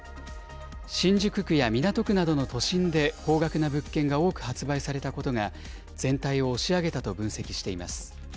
新宿区や港区などの都心で高額な物件が多く発売されたことが、全体を押し上げたと分析しています。